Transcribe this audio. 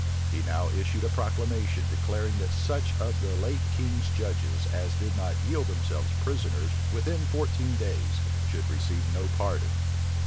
He now issued a proclamation declaring that such of the late king's judges as did not yield themselves pris oners within fourteen days, should receive no pardon.